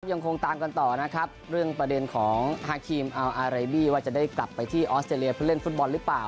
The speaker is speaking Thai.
ยังคงตามกันต่อนะครับเรื่องประเด็นของทางทีมอัลอาเรบี้ว่าจะได้กลับไปที่ออสเตรเลียเพื่อเล่นฟุตบอลหรือเปล่า